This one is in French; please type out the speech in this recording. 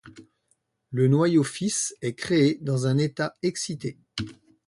Le noyau fils est créé dans un état excité.